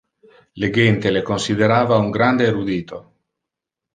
Le gente le considerava un grande erudito.